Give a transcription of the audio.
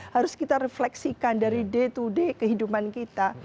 harus kita refleksikan dari day to day kehidupan kita